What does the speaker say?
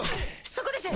そこです！